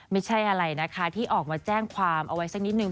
ไม่ใช่อะไรนะคะที่ออกมาแจ้งความเอาไว้สักนิดนึ